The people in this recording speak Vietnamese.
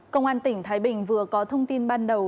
công an tỉnh thái bình vừa có thông tin ban đầu